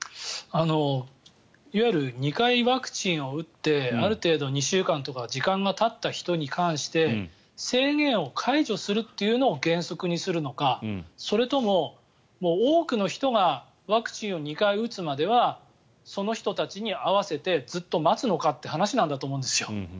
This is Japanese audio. いわゆる２回ワクチンを打ってある程度２週間とか時間がたった人に関して制限を解除するというのを原則にするのかそれとも多くの人がワクチンを２回打つまではその人たちに合わせてずっと待つのかという話なんだと思うんですよ。